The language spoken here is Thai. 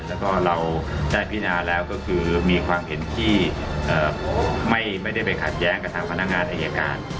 แล้วก็เราได้พินาแล้วก็คือมีความเห็นที่ไม่ได้ไปขัดแย้งกับทางพนักงานอายการ